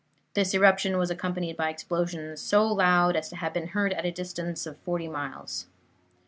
This eruption was accompanied by explosions so loud as to have been heard at a distance of forty miles.